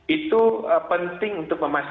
itu penting untuk memperbaikinya